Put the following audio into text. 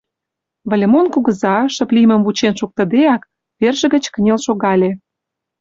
Выльымон кугыза, шып лиймым вучен шуктыдеак, верже гыч кынел шогале.